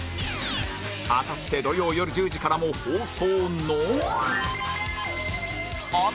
あさって土曜よる１０時からも放送の